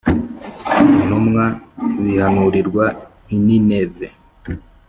intumwa ibihanurirwa i Nineve